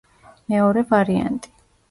მეორე ვარიანტი.